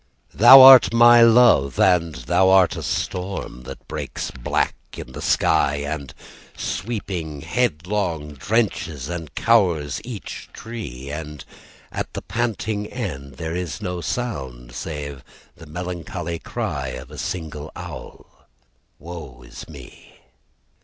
Thou art my love, And thou art a strorm That breaks black in the sky, And, sweeping headlong, Drenches and cowers each tree, And at the panting end There is no sound Save the melancholy cry of a single owl Woe is me!